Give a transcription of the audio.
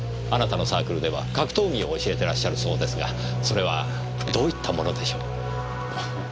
あなたのサークルでは格闘技を教えてらっしゃるそうですがそれはどういったものでしょう？